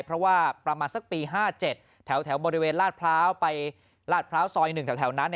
เพราะว่าประมาณสักปี๕๗แถวบริเวณลาดพร้าวไปลาดพร้าวซอย๑แถวนั้น